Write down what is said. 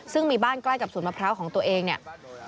ซึ่งมีบ้านใกล้กับสวนมะพร้าวของตัวเองเนี่ย